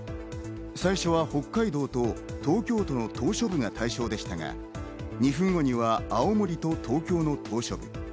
最初は北海道と東京都の島しょ部が対象でしたが、２分後には青森と東京都の島しょ部。